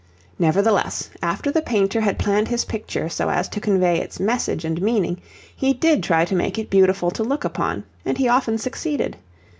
Nevertheless, after the painter had planned his picture so as to convey its message and meaning, he did try to make it beautiful to look upon, and he often succeeded.